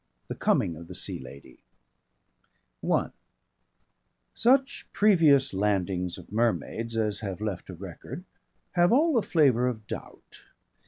THE COMING OF THE SEA LADY I Such previous landings of mermaids as have left a record, have all a flavour of doubt.